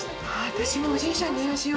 私もおじいちゃんに電話しよ。